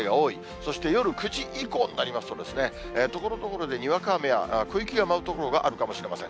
そして夜９時以降になりますと、ところどころでにわか雨や、小雪が舞う所があるかもしれません。